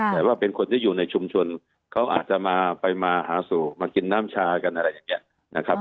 แต่ว่าเป็นคนที่อยู่ในชุมชนเขาอาจจะมาไปมาหาสู่มากินน้ำชากันอะไรอย่างนี้นะครับ